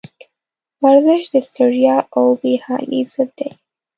ورزش د ستړیا او بېحالي ضد دی.